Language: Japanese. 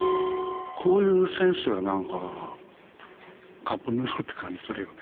こういうセンスがなんかカップヌードルって感じするよね。